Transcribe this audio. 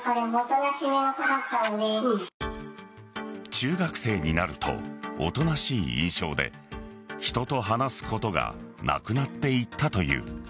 中学生になるとおとなしい印象で人と話すことがなくなっていったという。